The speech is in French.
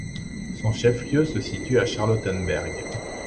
Son chef-lieu se situe à Charlottenberg.